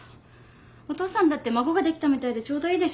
お父さんだって孫ができたみたいでちょうどいいでしょ。